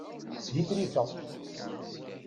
Shitrifeɣ.